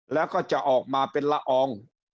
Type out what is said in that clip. แล้วก็จะออกมาเป็นละออง